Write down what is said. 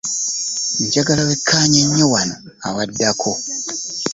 Njagala wekkaanye nnyo wano awaddako.